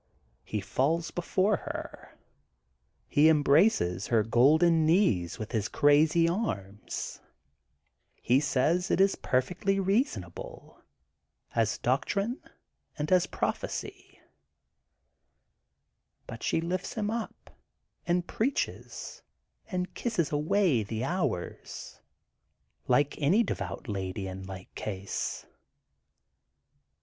He falls before her. He embraces her golden knees with his crazy arms. He says THE GOLDEN BOOK OF SPRINGFIELD 25ff it is perfectly reasonable, as doctrine and as prophecy. But she lifts him up and she preaches and kisses away V the hours, like any devout lady in like case.